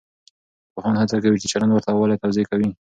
پوهان هڅه کوي چې د چلند ورته والی توضیح کړي.